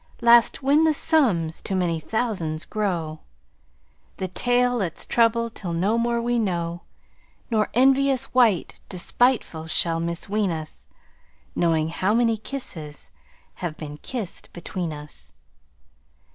Last when the sums to many thousands grow, 10 The tale let's trouble till no more we know, Nor envious wight despiteful shall misween us Knowing how many kisses have been kissed between us.